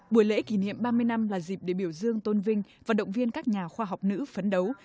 buổi lễ kỷ niệm ba mươi năm là dịp để biểu dương tôn vinh và động viên các nhà khoa học nữ phấn đấu